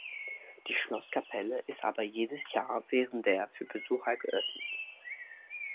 Die Schlosskapelle ist aber jedes Jahr während der für Besucher geöffnet.